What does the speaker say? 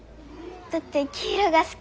だって黄色が好きだから。